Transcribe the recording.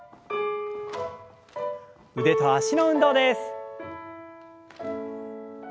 腕と脚の運動です。